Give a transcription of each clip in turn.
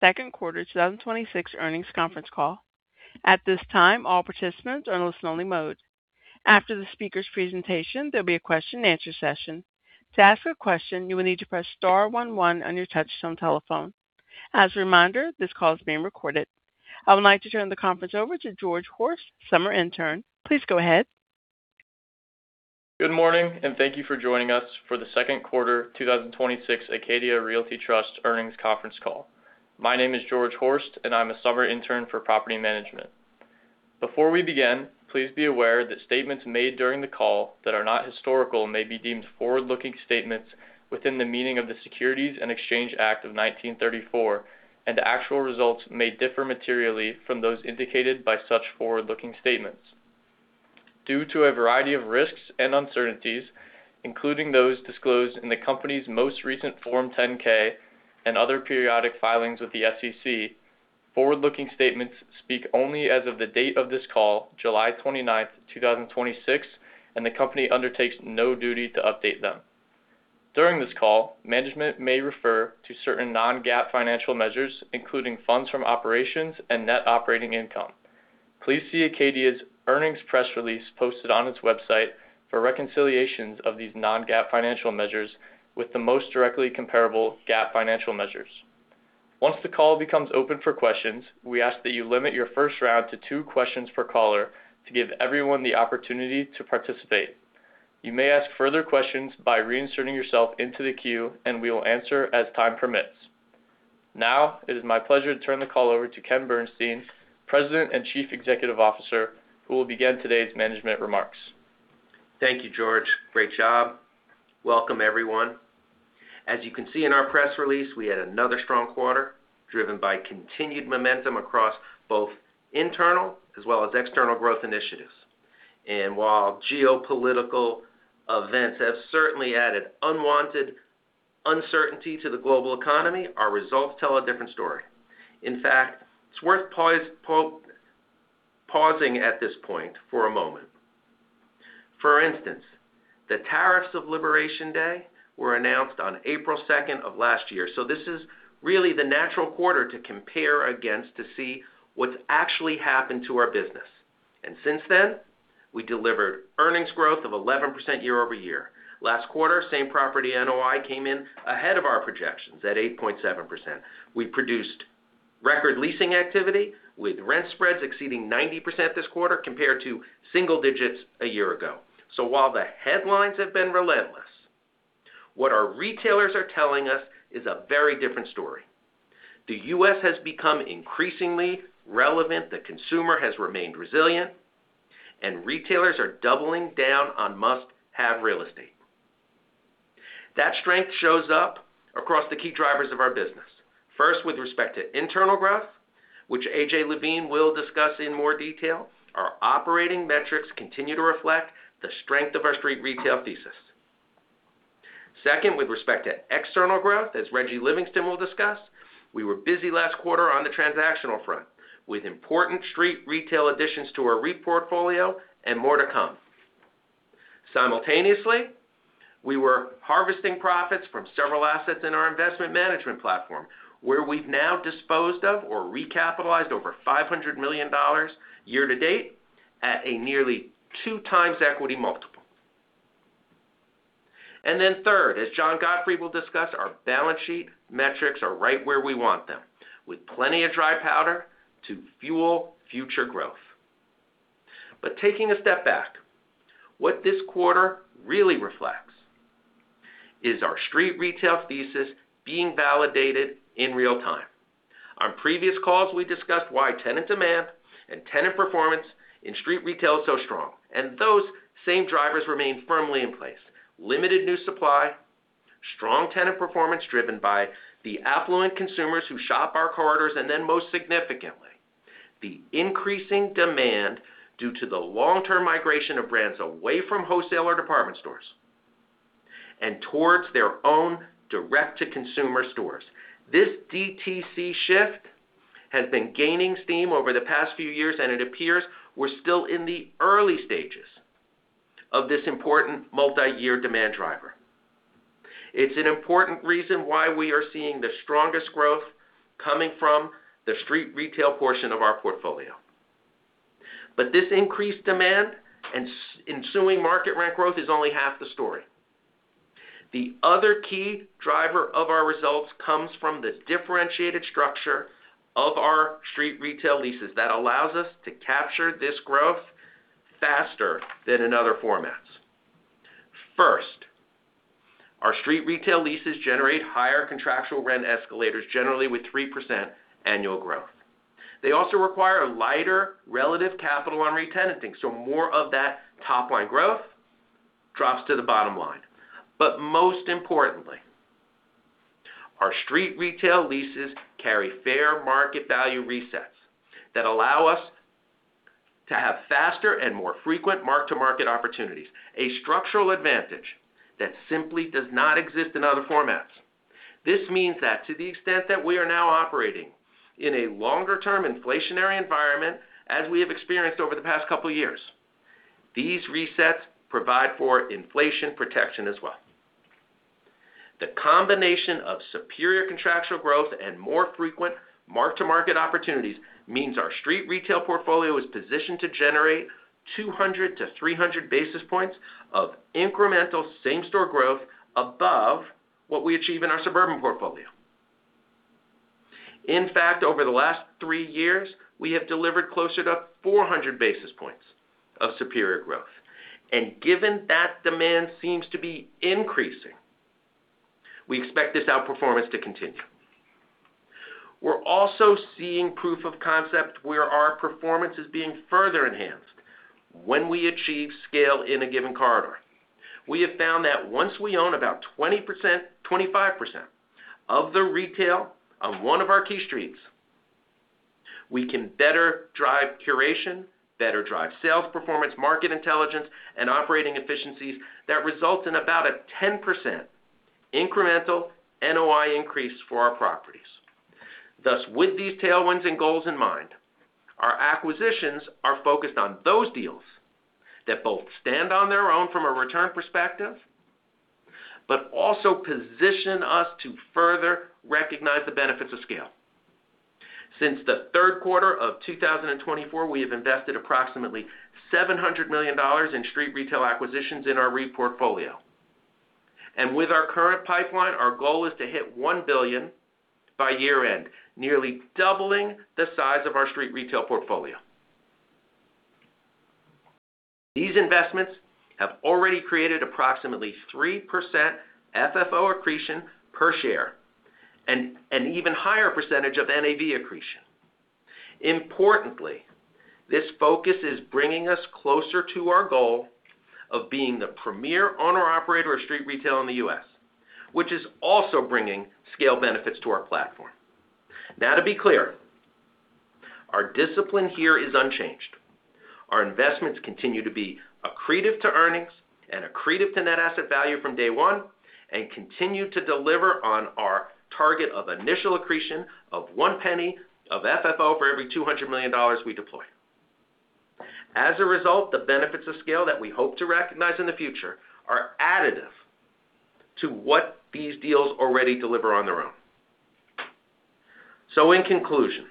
Second quarter 2026 earnings conference call. At this time, all participants are in listen-only mode. After the speaker's presentation, there will be a question-and-answer session. To ask a question, you will need to press star one one on your touchtone telephone. As a reminder, this call is being recorded. I would like to turn the conference over to George Horst, summer intern. Please go ahead. Good morning. Thank you for joining us for the second quarter 2026 Acadia Realty Trust earnings conference call. My name is George Horst, and I'm a Summer Intern for Property Management. Before we begin, please be aware that statements made during the call that are not historical may be deemed forward-looking statements within the meaning of the Securities Exchange Act of 1934. Actual results may differ materially from those indicated by such forward-looking statements due to a variety of risks and uncertainties, including those disclosed in the company's most recent Form 10-K and other periodic filings with the SEC. Forward-looking statements speak only as of the date of this call, July 29th, 2026, and the company undertakes no duty to update them. During this call, management may refer to certain non-GAAP financial measures, including funds from operations and net operating income. Please see Acadia's earnings press release posted on its website for reconciliations of these non-GAAP financial measures with the most directly comparable GAAP financial measures. Once the call becomes open for questions, we ask that you limit your first round to two questions per caller to give everyone the opportunity to participate. You may ask further questions by reinserting yourself into the queue, and we will answer as time permits. It is my pleasure to turn the call over to Ken Bernstein, President and Chief Executive Officer, who will begin today's management remarks. Thank you, George. Great job. Welcome, everyone. As you can see in our press release, we had another strong quarter driven by continued momentum across both internal as well as external growth initiatives. While geopolitical events have certainly added unwanted uncertainty to the global economy, our results tell a different story. In fact, it is worth pausing at this point for a moment. For instance, the tariffs of Liberation Day were announced on April 2nd of last year, so this is really the natural quarter to compare against to see what has actually happened to our business. Since then, we delivered earnings growth of 11% year-over-year. Last quarter, same property NOI came in ahead of our projections at 8.7%. We produced record leasing activity with rent spreads exceeding 90% this quarter, compared to single digits a year ago. While the headlines have been relentless, what our retailers are telling us is a very different story. The U.S. has become increasingly relevant, the consumer has remained resilient, and retailers are doubling down on must-have real estate. That strength shows up across the key drivers of our business. First, with respect to internal growth, which A.J. Levine will discuss in more detail, our operating metrics continue to reflect the strength of our street retail thesis. Second, with respect to external growth, as Reggie Livingston will discuss, we were busy last quarter on the transactional front, with important street retail additions to our REIT portfolio and more to come. Simultaneously, we were harvesting profits from several assets in our investment management platform, where we've now disposed of or recapitalized over $500 million year to date at a nearly 2x equity multiple. Third, as John Gottfried will discuss, our balance sheet metrics are right where we want them, with plenty of dry powder to fuel future growth. Taking a step back, what this quarter really reflects is our street retail thesis being validated in real time. On previous calls, we discussed why tenant demand and tenant performance in street retail is so strong, and those same drivers remain firmly in place. Limited new supply, strong tenant performance driven by the affluent consumers who shop our corridors, most significantly, the increasing demand due to the long-term migration of brands away from wholesale or department stores and towards their own direct-to-consumer stores. This DTC shift has been gaining steam over the past few years, and it appears we're still in the early stages of this important multiyear demand driver. It's an important reason why we are seeing the strongest growth coming from the street retail portion of our portfolio. This increased demand and ensuing market rent growth is only half the story. The other key driver of our results comes from the differentiated structure of our street retail leases that allows us to capture this growth faster than in other formats. First, our street retail leases generate higher contractual rent escalators, generally with 3% annual growth. They also require a lighter relative capital on retenanting, so more of that top-line growth drops to the bottom line. Most importantly, our street retail leases carry fair market value resets that allow us to have faster and more frequent mark-to-market opportunities, a structural advantage that simply does not exist in other formats. This means that to the extent that we are now operating in a longer-term inflationary environment, as we have experienced over the past couple of years. These resets provide for inflation protection as well. The combination of superior contractual growth and more frequent mark-to-market opportunities means our street retail portfolio is positioned to generate 200 to 300 basis points of incremental same-store growth above what we achieve in our suburban portfolio. In fact, over the last three years, we have delivered closer to 400 basis points of superior growth. Given that demand seems to be increasing, we expect this outperformance to continue. We're also seeing proof of concept where our performance is being further enhanced when we achieve scale in a given corridor. We have found that once we own about 20%, 25% of the retail on one of our key streets, we can better drive curation, better drive sales performance, market intelligence, and operating efficiencies that result in about a 10% incremental NOI increase for our properties. Thus, with these tailwinds and goals in mind, our acquisitions are focused on those deals that both stand on their own from a return perspective, but also position us to further recognize the benefits of scale. Since the third quarter of 2024, we have invested approximately $700 million in street retail acquisitions in our REIT portfolio. With our current pipeline, our goal is to hit $1 billion by year-end, nearly doubling the size of our street retail portfolio. These investments have already created approximately 3% FFO accretion per share and an even higher percentage of NAV accretion. Importantly, this focus is bringing us closer to our goal of being the premier owner/operator of street retail in the U.S., which is also bringing scale benefits to our platform. To be clear, our discipline here is unchanged. Our investments continue to be accretive to earnings and accretive to net asset value from day one and continue to deliver on our target of initial accretion of one penny of FFO for every $200 million we deploy. As a result, the benefits of scale that we hope to recognize in the future are additive to what these deals already deliver on their own. In conclusion,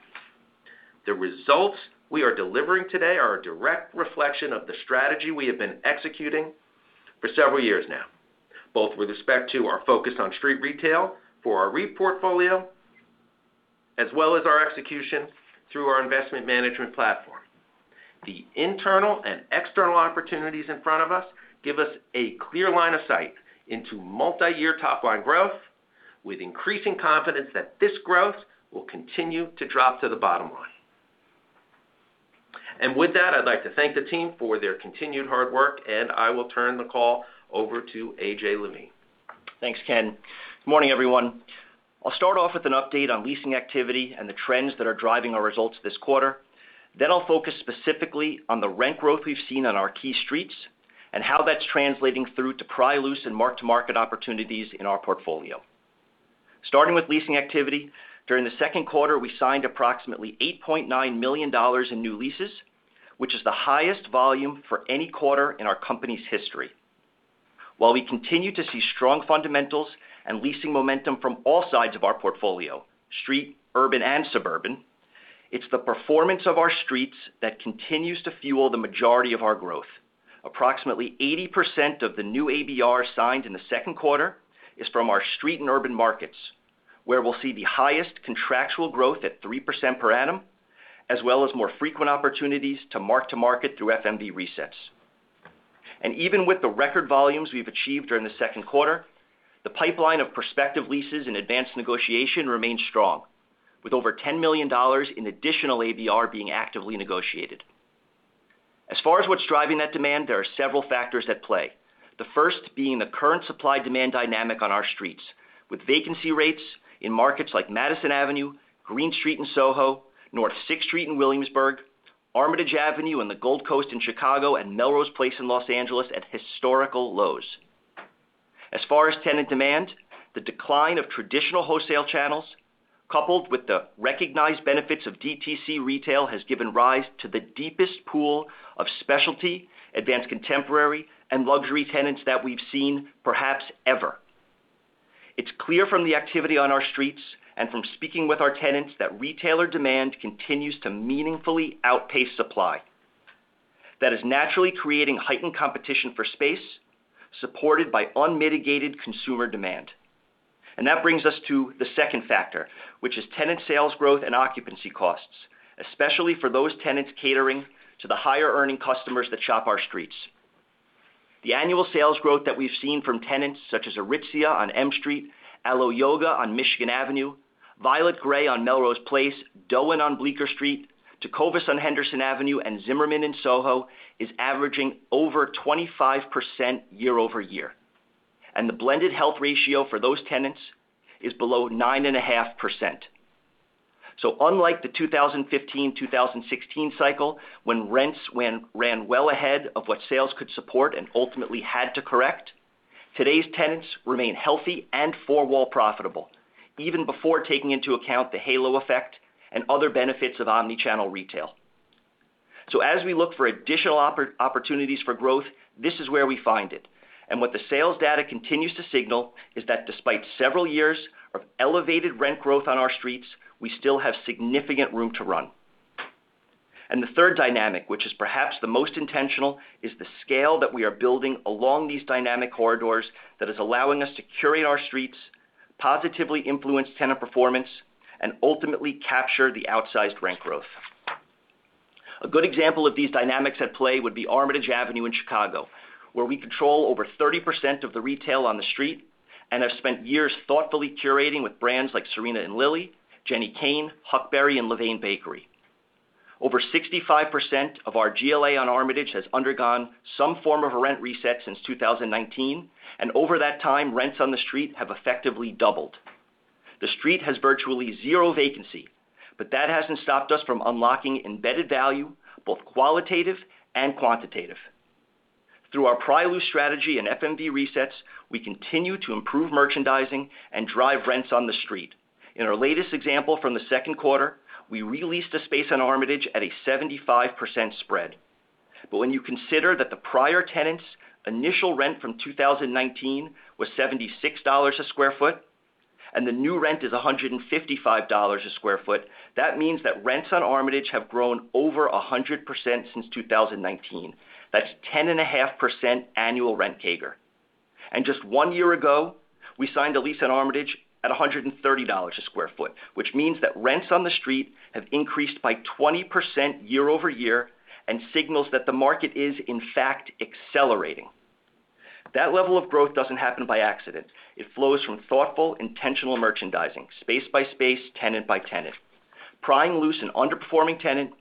the results we are delivering today are a direct reflection of the strategy we have been executing for several years now, both with respect to our focus on street retail for our REIT portfolio, as well as our execution through our investment management platform. The internal and external opportunities in front of us give us a clear line of sight into multiyear top-line growth, with increasing confidence that this growth will continue to drop to the bottom line. With that, I'd like to thank the team for their continued hard work, and I will turn the call over to A.J. Levine. Thanks, Ken. Morning, everyone. I'll start off with an update on leasing activity and the trends that are driving our results this quarter. I'll focus specifically on the rent growth we've seen on our key streets and how that's translating through to pry loose and mark-to-market opportunities in our portfolio. Starting with leasing activity, during the second quarter, we signed approximately $8.9 million in new leases, which is the highest volume for any quarter in our company's history. While we continue to see strong fundamentals and leasing momentum from all sides of our portfolio, street, urban, and suburban, it's the performance of our streets that continues to fuel the majority of our growth. Approximately 80% of the new ABR signed in the second quarter is from our street and urban markets, where we'll see the highest contractual growth at 3% per annum, as well as more frequent opportunities to mark to market through FMV resets. Even with the record volumes we've achieved during the second quarter, the pipeline of prospective leases and advanced negotiation remains strong, with over $10 million in additional ABR being actively negotiated. As far as what's driving that demand, there are several factors at play. The first being the current supply-demand dynamic on our streets, with vacancy rates in markets like Madison Avenue, Green Street in SoHo, North 6th Street in Williamsburg, Armitage Avenue and the Gold Coast in Chicago, and Melrose Place in Los Angeles at historical lows. As far as tenant demand, the decline of traditional wholesale channels, coupled with the recognized benefits of DTC retail, has given rise to the deepest pool of specialty, advanced contemporary, and luxury tenants that we've seen perhaps ever. It's clear from the activity on our streets and from speaking with our tenants that retailer demand continues to meaningfully outpace supply. That brings us to the second factor, which is tenant sales growth and occupancy costs, especially for those tenants catering to the higher-earning customers that shop our streets. The annual sales growth that we've seen from tenants such as Aritzia on M Street, Alo Yoga on Michigan Avenue, Violet Grey on Melrose Place, DÔEN on Bleecker Street, Tecovas on Henderson Avenue, and Zimmermann in SoHo is averaging over 25% year-over-year. The blended health ratio for those tenants is below 9.5%. Unlike the 2015-2016 cycle, when rents ran well ahead of what sales could support and ultimately had to correct. Today's tenants remain healthy and four-wall profitable even before taking into account the halo effect and other benefits of omni-channel retail. As we look for additional opportunities for growth, this is where we find it. What the sales data continues to signal is that despite several years of elevated rent growth on our streets, we still have significant room to run. The third dynamic, which is perhaps the most intentional, is the scale that we are building along these dynamic corridors that is allowing us to curate our streets, positively influence tenant performance, and ultimately capture the outsized rent growth. A good example of these dynamics at play would be Armitage Avenue in Chicago, where we control over 30% of the retail on the street and have spent years thoughtfully curating with brands like Serena & Lily, Jenni Kayne, Huckberry, and Levain Bakery. Over 65% of our GLA on Armitage has undergone some form of rent reset since 2019, and over that time, rents on the street have effectively doubled. The street has virtually zero vacancy, but that hasn't stopped us from unlocking embedded value, both qualitative and quantitative. Through our pry loose strategy and FMV resets, we continue to improve merchandising and drive rents on the street. In our latest example from the second quarter, we re-leased a space on Armitage at a 75% spread. When you consider that the prior tenant's initial rent from 2019 was $76 a square foot, and the new rent is $155 a square foot, that means that rents on Armitage have grown over 100% since 2019. That's 10.5% annual rent CAGR. Just one year ago, we signed a lease on Armitage at $130 a square foot, which means that rents on the street have increased by 20% year-over-year and signals that the market is, in fact, accelerating. That level of growth doesn't happen by accident. It flows from thoughtful, intentional merchandising, space by space, tenant by tenant. Prying loose an underperforming tenant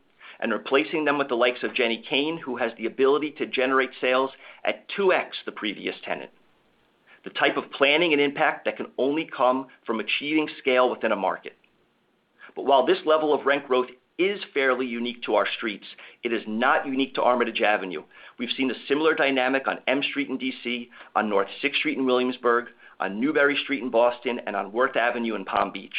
and replacing them with the likes of Jenni Kayne, who has the ability to generate sales at 2x the previous tenant. The type of planning and impact that can only come from achieving scale within a market. While this level of rent growth is fairly unique to our streets, it is not unique to Armitage Avenue. We've seen a similar dynamic on M Street in D.C., on North 6th Street in Williamsburg, on Newbury Street in Boston, and on Worth Avenue in Palm Beach.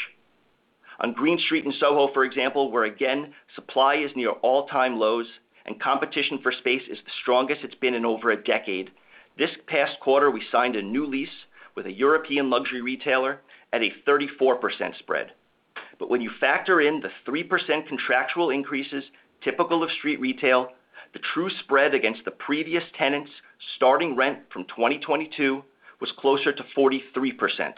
On Green Street in SoHo, for example, where again, supply is near all-time lows and competition for space is the strongest it's been in over a decade. This past quarter, we signed a new lease with a European luxury retailer at a 34% spread. When you factor in the 3% contractual increases typical of street retail, the true spread against the previous tenant's starting rent from 2022 was closer to 43%.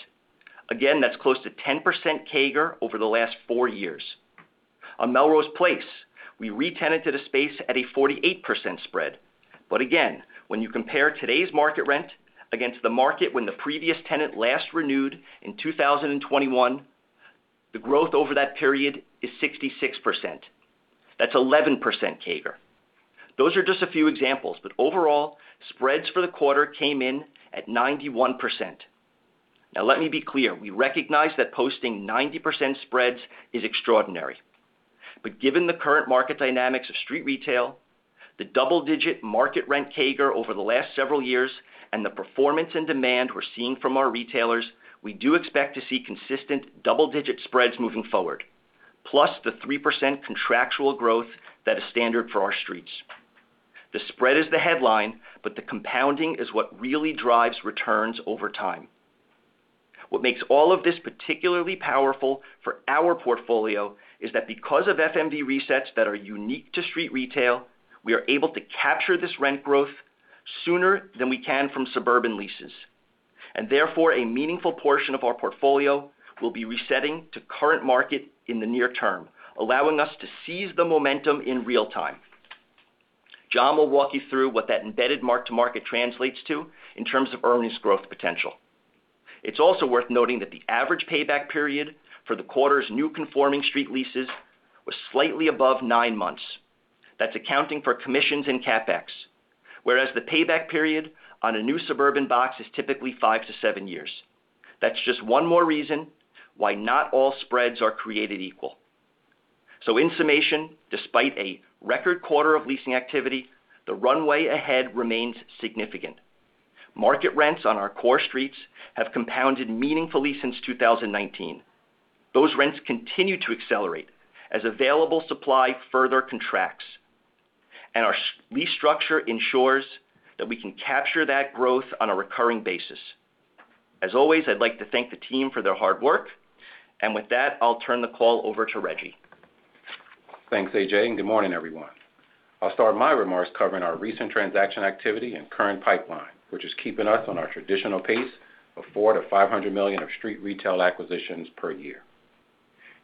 Again, that's close to 10% CAGR over the last four years. On Melrose Place, we re-tenanted a space at a 48% spread. Again, when you compare today's market rent against the market when the previous tenant last renewed in 2021, the growth over that period is 66%. That's 11% CAGR. Those are just a few examples, overall, spreads for the quarter came in at 91%. Let me be clear. We recognize that posting 90% spreads is extraordinary. Given the current market dynamics of street retail, the double-digit market rent CAGR over the last several years, and the performance and demand we're seeing from our retailers, we do expect to see consistent double-digit spreads moving forward. Plus the 3% contractual growth that is standard for our streets. The spread is the headline, the compounding is what really drives returns over time. What makes all of this particularly powerful for our portfolio is that because of FMV resets that are unique to street retail, we are able to capture this rent growth sooner than we can from suburban leases. Therefore, a meaningful portion of our portfolio will be resetting to current market in the near term, allowing us to seize the momentum in real time. John will walk you through what that embedded mark-to-market translates to in terms of earnings growth potential. It's also worth noting that the average payback period for the quarter's new conforming street leases was slightly above nine months. That's accounting for commissions and CapEx. Whereas the payback period on a new suburban box is typically five to seven years. That's just one more reason why not all spreads are created equal. In summation, despite a record quarter of leasing activity, the runway ahead remains significant. Market rents on our core streets have compounded meaningfully since 2019. Those rents continue to accelerate as available supply further contracts. Our lease structure ensures that we can capture that growth on a recurring basis. As always, I'd like to thank the team for their hard work. With that, I'll turn the call over to Reggie. Thanks, A.J., good morning, everyone. I'll start my remarks covering our recent transaction activity and current pipeline, which is keeping us on our traditional pace of $400 million-$500 million of street retail acquisitions per year.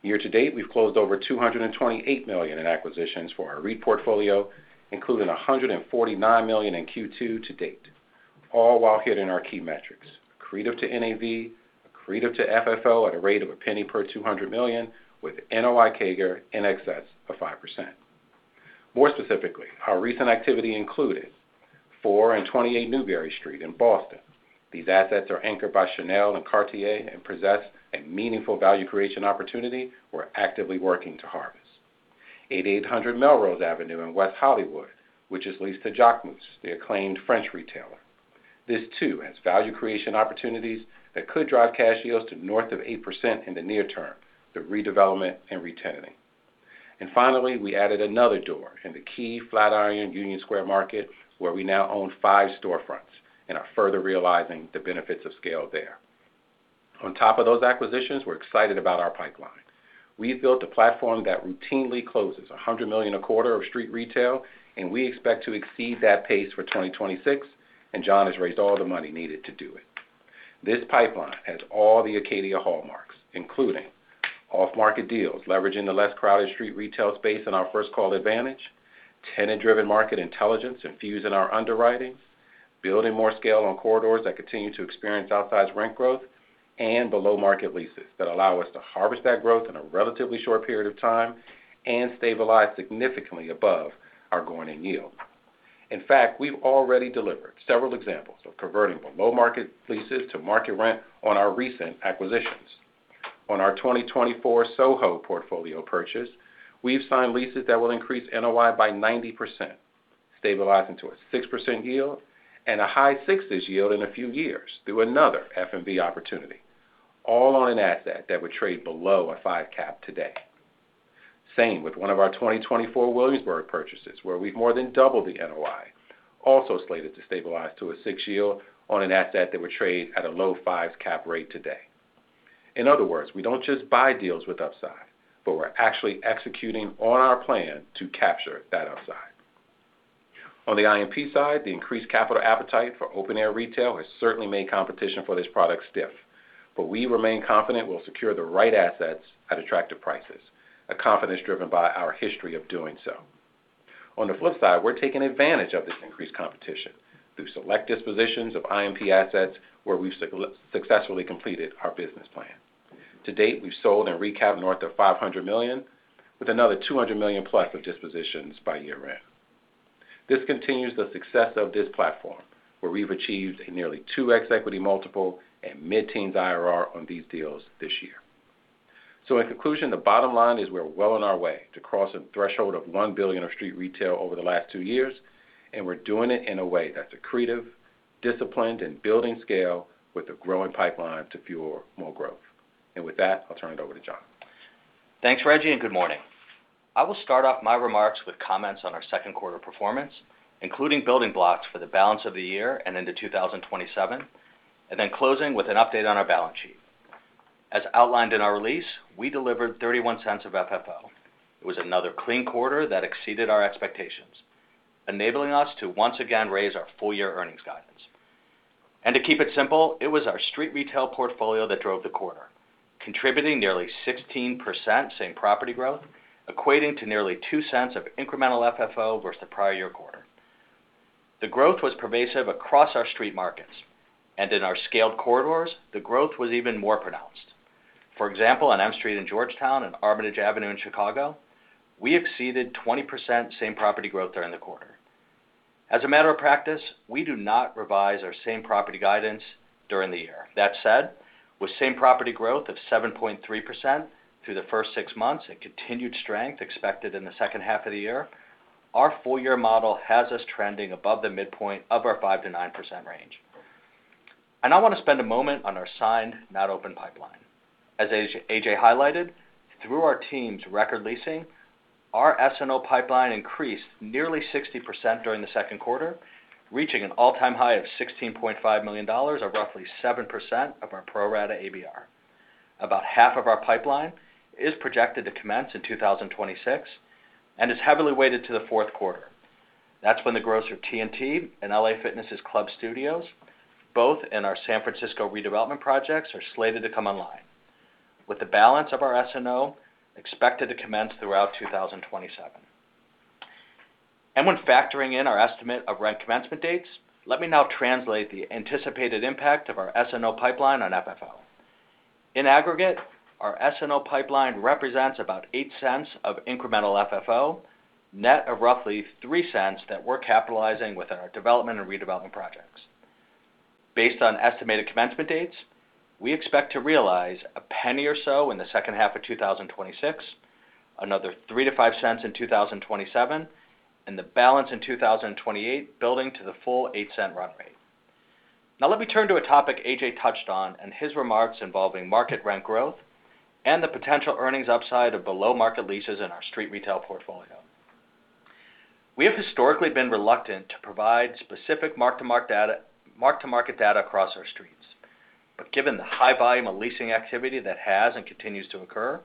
Year to date, we've closed over $228 million in acquisitions for our REIT portfolio, including $149 million in Q2 to date, all while hitting our key metrics, accretive to NAV, accretive to FFO at a rate of a penny per $200 million with NOI CAGR in excess of 5%. More specifically, our recent activity included 4 and 28 Newbury Street in Boston. These assets are anchored by Chanel and Cartier and possess a meaningful value creation opportunity we're actively working to harvest. 8800 Melrose Avenue in West Hollywood, which is leased to Jacquemus, the acclaimed French retailer. This too has value creation opportunities that could drive cash yields to north of 8% in the near term through redevelopment and re-tenanting. Finally, we added another door in the key Flatiron Union Square market, where we now own five storefronts and are further realizing the benefits of scale there. On top of those acquisitions, we're excited about our pipeline. We've built a platform that routinely closes $100 million a quarter of street retail. We expect to exceed that pace for 2026. John has raised all the money needed to do it. This pipeline has all the Acadia hallmarks, including off-market deals leveraging the less crowded street retail space in our first call advantage, tenant-driven market intelligence infused in our underwriting, building more scale on corridors that continue to experience outsized rent growth, below-market leases that allow us to harvest that growth in a relatively short period of time and stabilize significantly above our going-in yield. In fact, we've already delivered several examples of converting from low market leases to market rent on our recent acquisitions. On our 2024 SoHo portfolio purchase, we've signed leases that will increase NOI by 90%, stabilizing to a 6% yield and a high sixes yield in a few years through another FMV opportunity, all on an asset that would trade below a five cap today. Same with one of our 2024 Williamsburg purchases, where we've more than doubled the NOI, also slated to stabilize to a six yield on an asset that would trade at a low fives cap rate today. In other words, we don't just buy deals with upside, but we're actually executing on our plan to capture that upside. On the IMP side, the increased capital appetite for open-air retail has certainly made competition for this product stiff, but we remain confident we'll secure the right assets at attractive prices, a confidence driven by our history of doing so. On the flip side, we're taking advantage of this increased competition through select dispositions of IMP assets where we've successfully completed our business plan. To date, we've sold and recap north of $500 million, with another $200 million-plus of dispositions by year-end. This continues the success of this platform, where we've achieved a nearly 2x equity multiple and mid-teens IRR on these deals this year. In conclusion, the bottom line is we're well on our way to crossing the threshold of $1 billion of street retail over the last two years, and we're doing it in a way that's accretive, disciplined, and building scale with a growing pipeline to fuel more growth. With that, I'll turn it over to John. Thanks, Reggie, good morning. I will start off my remarks with comments on our second quarter performance, including building blocks for the balance of the year and into 2027, then closing with an update on our balance sheet. As outlined in our release, we delivered $0.31 of FFO. It was another clean quarter that exceeded our expectations, enabling us to once again raise our full-year earnings guidance. To keep it simple, it was our street retail portfolio that drove the quarter, contributing nearly 16% same property growth, equating to nearly $0.02 of incremental FFO versus the prior year quarter. The growth was pervasive across our street markets, and in our scaled corridors, the growth was even more pronounced. For example, on M Street in Georgetown and Armitage Avenue in Chicago, we exceeded 20% same property growth during the quarter. As a matter of practice, we do not revise our same property guidance during the year. That said, with same property growth of 7.3% through the first six months and continued strength expected in the second half of the year, our full-year model has us trending above the midpoint of our 5%-9% range. I want to spend a moment on our signed, not open pipeline. As A.J. highlighted, through our team's record leasing, our S&O pipeline increased nearly 60% during the second quarter, reaching an all-time high of $16.5 million, or roughly 7% of our pro rata ABR. About half of our pipeline is projected to commence in 2026 and is heavily weighted to the fourth quarter. That's when the grocer T&T and LA Fitness' Club Studio, both in our San Francisco redevelopment projects, are slated to come online, with the balance of our S&O expected to commence throughout 2027. Let me now translate the anticipated impact of our S&O pipeline on FFO. In aggregate, our S&O pipeline represents about $0.08 of incremental FFO, net of roughly $0.03 that we're capitalizing within our development and redevelopment projects. Based on estimated commencement dates, we expect to realize $0.01 or so in the second half of 2026, another $0.03-$0.05 in 2027, and the balance in 2028, building to the full $0.08 run rate. Now let me turn to a topic A.J. touched on in his remarks involving market rent growth and the potential earnings upside of below-market leases in our street retail portfolio. We have historically been reluctant to provide specific mark-to-market data across our streets. Given the high volume of leasing activity that has and continues to occur,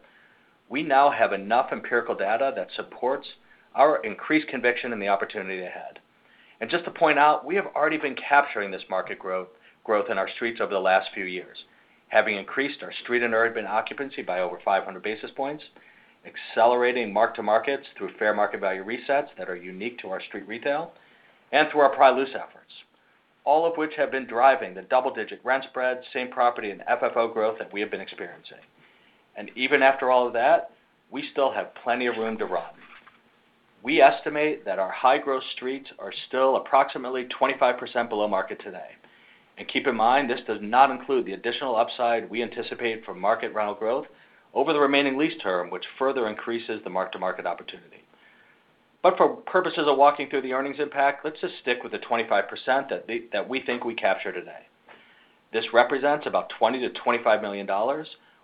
we now have enough empirical data that supports our increased conviction in the opportunity ahead. Just to point out, we have already been capturing this market growth in our streets over the last few years, having increased our street and urban occupancy by over 500 basis points, accelerating mark-to-markets through fair market value resets that are unique to our street retail, and through our pry loose efforts, all of which have been driving the double-digit rent spread, same property, and FFO growth that we have been experiencing. Even after all of that, we still have plenty of room to run. We estimate that our high-growth streets are still approximately 25% below market today. Keep in mind, this does not include the additional upside we anticipate from market rental growth over the remaining lease term, which further increases the mark-to-market opportunity. But for purposes of walking through the earnings impact, let's just stick with the 25% that we think we capture today. This represents about $20 million-$25 million,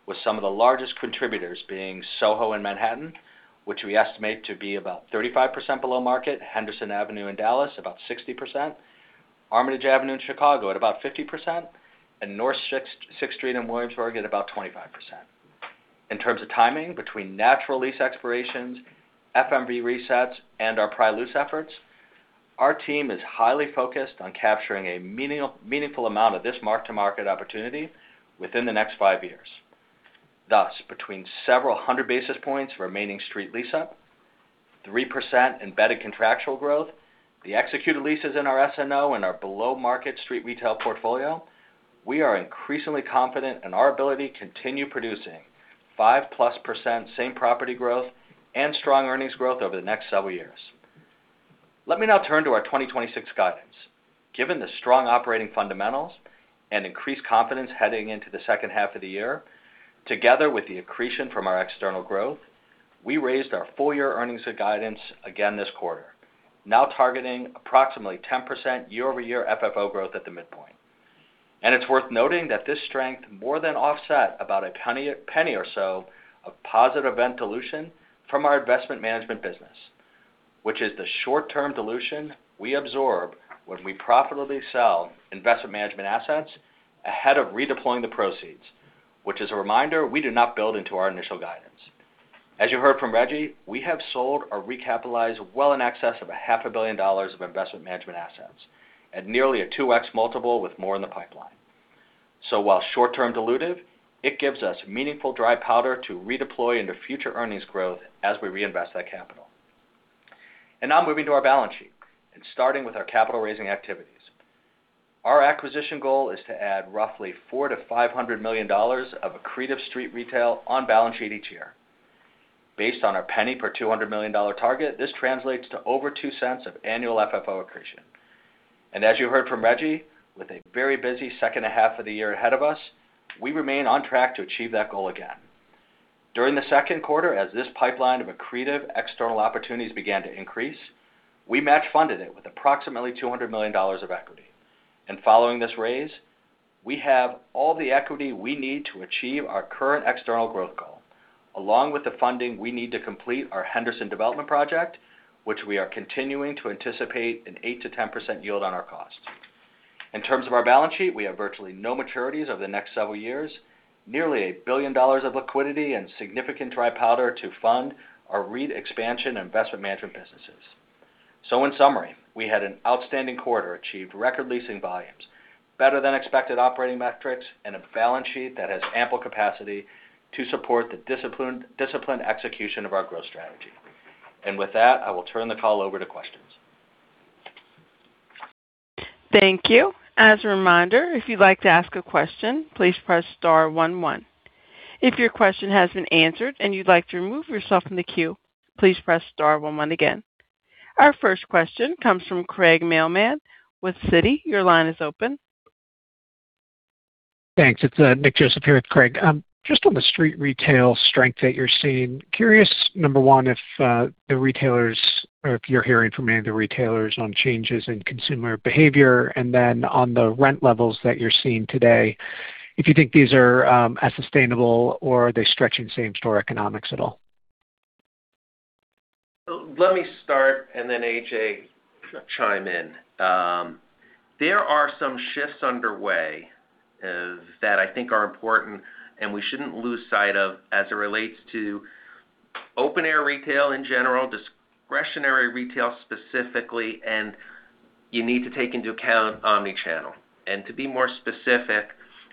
with some of the largest contributors being SoHo in Manhattan, which we estimate to be about 35% below market, Henderson Avenue in Dallas, about 60%, Armitage Avenue in Chicago at about 50%, and North 6th Street in Williamsburg at about 25%. In terms of timing between natural lease expirations, FMV resets, and our pry loose efforts, our team is highly focused on capturing a meaningful amount of this mark-to-market opportunity within the next five years. Thus, between several hundred basis points remaining street lease up, 3% embedded contractual growth, the executed leases in our SNO and our below-market street retail portfolio, we are increasingly confident in our ability to continue producing 5%+ same-property growth and strong earnings growth over the next several years. Let me now turn to our 2026 guidance. Given the strong operating fundamentals and increased confidence heading into the second half of the year, together with the accretion from our external growth, we raised our full-year earnings guidance again this quarter, now targeting approximately 10% year-over-year FFO growth at the midpoint. It's worth noting that this strength more than offset about a penny or so of positive dilution from our investment management business, which is the short-term dilution we absorb when we profitably sell investment management assets ahead of redeploying the proceeds, which as a reminder, we do not build into our initial guidance. As you heard from Reggie, we have sold or recapitalized well in excess of a half a billion dollars of investment management assets at nearly a 2x multiple, with more in the pipeline. While short-term dilutive, it gives us meaningful dry powder to redeploy into future earnings growth as we reinvest that capital. Now moving to our balance sheet and starting with our capital-raising activities. Our acquisition goal is to add roughly $400 million-$500 million of accretive street retail on balance sheet each year. Based on our $0.01 per $200 million target, this translates to over $0.02 of annual FFO accretion. As you heard from Reggie, with a very busy second half of the year ahead of us, we remain on track to achieve that goal again. During the second quarter, as this pipeline of accretive external opportunities began to increase, we match-funded it with approximately $200 million of equity. Following this raise, we have all the equity we need to achieve our current external growth goal, along with the funding we need to complete our Henderson development project, which we are continuing to anticipate an 8%-10% yield on our cost. In terms of our balance sheet, we have virtually no maturities over the next several years, nearly $1 billion of liquidity and significant dry powder to fund our REIT expansion investment management businesses. In summary, we had an outstanding quarter, achieved record leasing volumes, better-than-expected operating metrics, and a balance sheet that has ample capacity to support the disciplined execution of our growth strategy. With that, I will turn the call over to questions. Thank you. As a reminder, if you'd like to ask a question, please press star one one. If your question has been answered and you'd like to remove yourself from the queue, please press star one one again. Our first question comes from Craig Mailman with Citi. Your line is open. Thanks. It's Nick Joseph here with Craig. Just on the street retail strength that you're seeing, curious, number one, if the retailers or if you're hearing from any of the retailers on changes in consumer behavior and then on the rent levels that you're seeing today, if you think these are as sustainable or are they stretching same-store economics at all? Let me start, and then A.J. chime in. There are some shifts underway that I think are important and we shouldn't lose sight of as it relates to open-air retail in general, discretionary retail specifically, and you need to take into account omni-channel. To be more specific,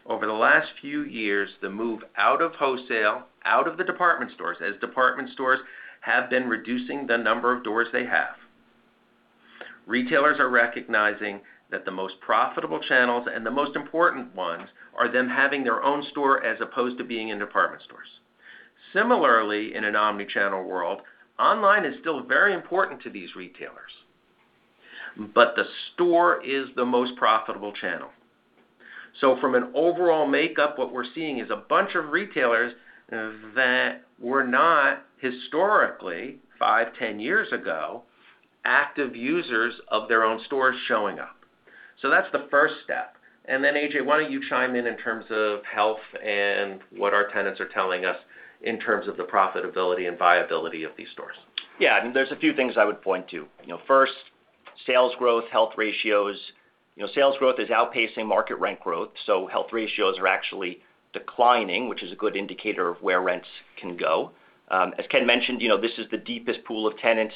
over the last few years, the move out of wholesale, out of the department stores, as department stores have been reducing the number of doors they have. Retailers are recognizing that the most profitable channels and the most important ones are them having their own store as opposed to being in department stores. Similarly, in an omni-channel world, online is still very important to these retailers. The store is the most profitable channel. From an overall makeup, what we're seeing is a bunch of retailers that were not historically, five, 10 years ago, active users of their own stores showing up. That's the first step. A.J., why don't you chime in terms of health and what our tenants are telling us in terms of the profitability and viability of these stores? Yeah. There's a few things I would point to. First, sales growth, health ratios. Sales growth is outpacing market rent growth, so health ratios are actually declining, which is a good indicator of where rents can go. As Ken mentioned, this is the deepest pool of tenants,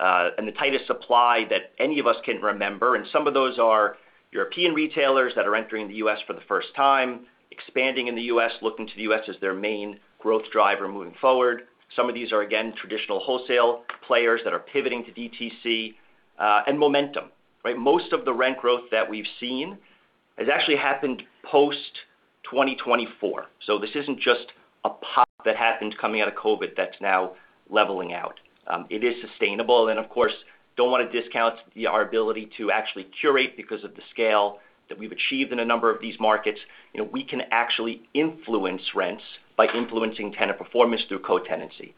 and the tightest supply that any of us can remember, and some of those are European retailers that are entering the U.S. for the first time, expanding in the U.S., looking to the U.S. as their main growth driver moving forward. Some of these are, again, traditional wholesale players that are pivoting to DTC, and momentum, right? Most of the rent growth that we've seen has actually happened post-2024. This isn't just a pop that happened coming out of COVID that's now leveling out. It is sustainable, and of course, don't want to discount our ability to actually curate because of the scale that we've achieved in a number of these markets. We can actually influence rents by influencing tenant performance through co-tenancy.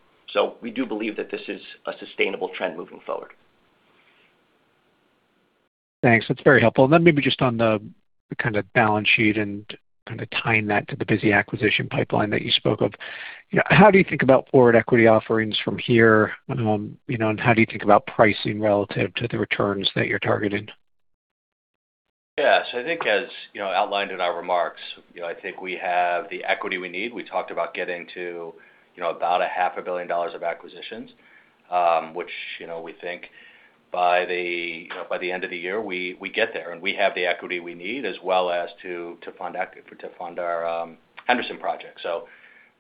We do believe that this is a sustainable trend moving forward. Thanks. That's very helpful. Then maybe just on the kind of balance sheet and kind of tying that to the busy acquisition pipeline that you spoke of. How do you think about forward equity offerings from here? How do you think about pricing relative to the returns that you're targeting? Yeah. I think as outlined in our remarks, we have the equity we need. We talked about getting to about a half a billion dollars of acquisitions, which we think by the end of the year, we get there, and we have the equity we need as well as to fund our Henderson project.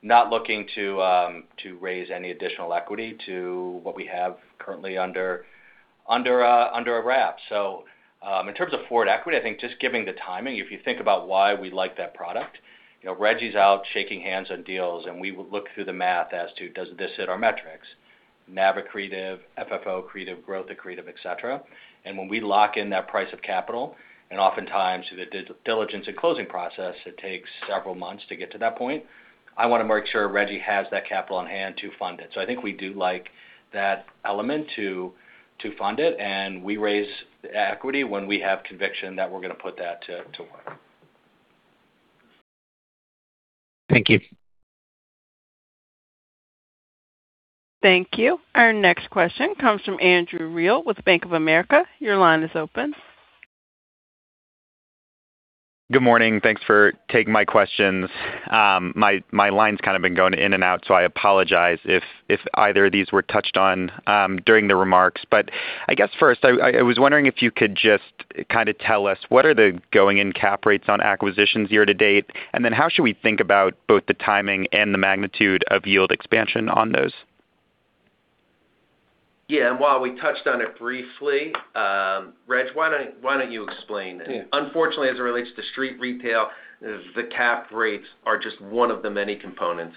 Not looking to raise any additional equity to what we have currently under a wrap. In terms of forward equity, I think just given the timing, if you think about why we like that product, Reggie's out shaking hands on deals, we would look through the math as to does this hit our metrics, NAV accretive, FFO accretive, growth accretive, et cetera. When we lock in that price of capital, oftentimes the diligence and closing process, it takes several months to get to that point. I want to make sure Reggie has that capital on hand to fund it. I think we do like that element to fund it, and we raise equity when we have conviction that we're going to put that to work. Thank you. Thank you. Our next question comes from Andrew Reale with Bank of America. Your line is open. Good morning. Thanks for taking my questions. My line's kind of been going in and out, so I apologize if either of these were touched on during the remarks. I guess first, I was wondering if you could just kind of tell us what are the going-in cap rates on acquisitions year to date, and then how should we think about both the timing and the magnitude of yield expansion on those? Yeah. While we touched on it briefly, Reg, why don't you explain it? Yeah. Unfortunately, as it relates to street retail, the cap rates are just one of the many components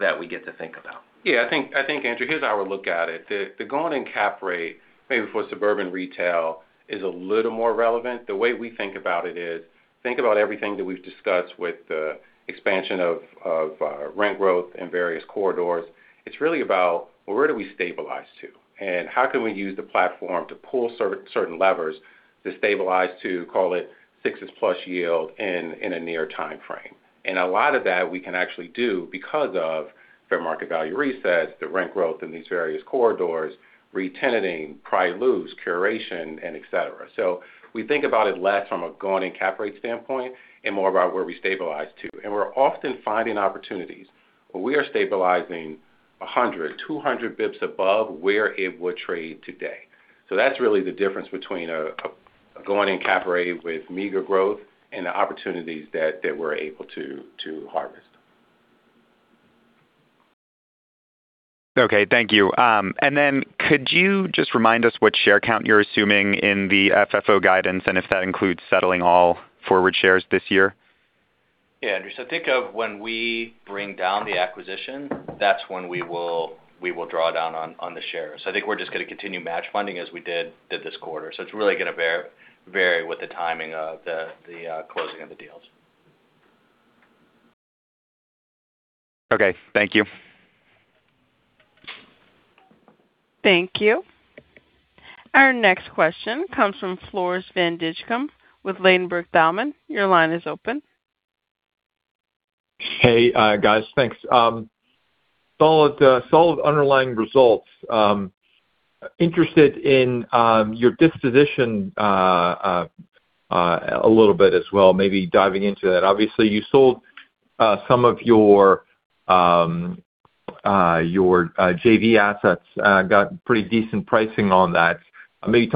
that we get to think about. I think, Andrew, here's how I look at it. The going-in cap rate, maybe for suburban retail, is a little more relevant. The way we think about it is, think about everything that we've discussed with the expansion of rent growth in various corridors. It's really about where do we stabilize to, and how can we use the platform to pull certain levers to stabilize to, call it, six-plus yield in a near time frame. A lot of that we can actually do because of fair market value resets, the rent growth in these various corridors, re-tenanting, pry loose, curation, and et cetera. We think about it less from a going-in cap rate standpoint and more about where we stabilize to. We're often finding opportunities where we are stabilizing 100, 200 basis points above where it would trade today. That's really the difference between a going-in cap rate with meager growth and the opportunities that we're able to harvest. Okay. Thank you. Could you just remind us what share count you're assuming in the FFO guidance, and if that includes settling all forward shares this year? Yeah, Andrew. Think of when we bring down the acquisition, that's when we will draw down on the shares. I think we're just going to continue match funding as we did this quarter. It's really going to vary with the timing of the closing of the deals. Okay. Thank you. Thank you. Our next question comes from Floris van Dijkum with Ladenburg Thalmann. Your line is open. Hey, guys. Thanks. Solid underlying results. Interested in your disposition a little bit as well, maybe diving into that. Obviously, you sold some of your JV assets, got pretty decent pricing on that. I think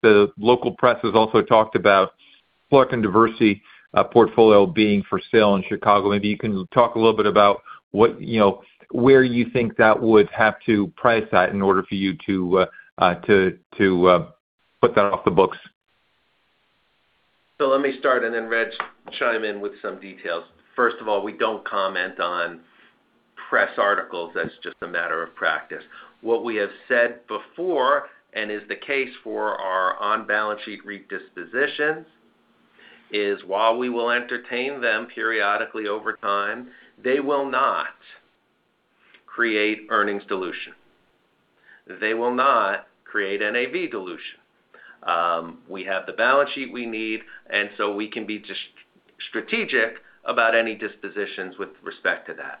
the local press has also talked about Clark and Diversey portfolio being for sale in Chicago. Maybe you can talk a little bit about where you think that would have to price at in order for you to put that off the books. Let me start, and then Reg chime in with some details. First of all, we don't comment on press articles. That's just a matter of practice. What we have said before, and is the case for our on-balance sheet REIT dispositions, is while we will entertain them periodically over time, they will not create earnings dilution. They will not create NAV dilution. We have the balance sheet we need, so we can be just strategic about any dispositions with respect to that.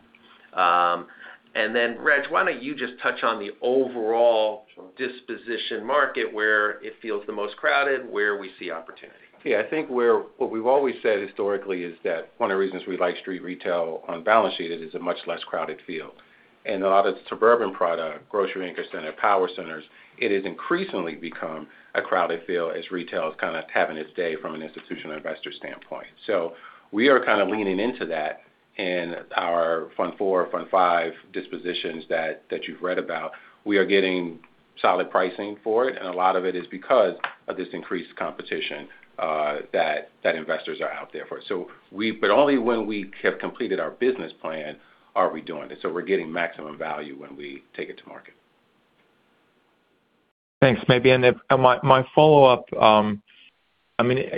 Reg, why don't you just touch on the overall disposition market, where it feels the most crowded, where we see opportunity. Yeah, I think what we've always said historically is that one of the reasons we like street retail on balance sheet is it's a much less crowded field. A lot of suburban product, grocery anchor center, power centers, it has increasingly become a crowded field as retail is kind of having its day from an institutional investor standpoint. We are kind of leaning into that in our Fund IV, Fund V dispositions that you've read about. We are getting solid pricing for it, a lot of it is because of this increased competition that investors are out there for. Only when we have completed our business plan are we doing it. We're getting maximum value when we take it to market. Thanks. My follow-up,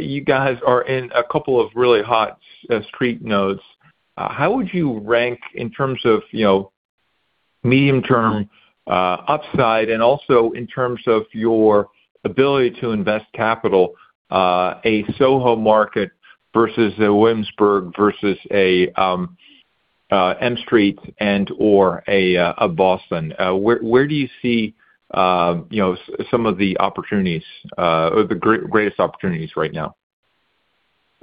you guys are in a couple of really hot street nodes. How would you rank in terms of medium-term upside and also in terms of your ability to invest capital, a SoHo market versus a Williamsburg versus a M Street and/or a Boston? Where do you see some of the greatest opportunities right now?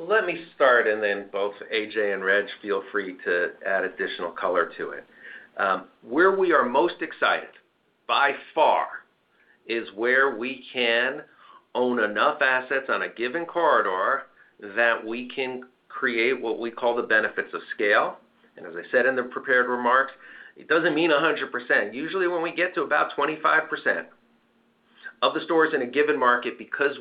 Let me start, both A.J. and Reg feel free to add additional color to it. Where we are most excited, by far, is where we can own enough assets on a given corridor that we can create what we call the benefits of scale. As I said in the prepared remarks, it doesn't mean 100%. Usually, when we get to about 25% of the stores in a given market, because